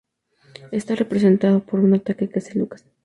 Este es representado por un ataque que hace Lucas.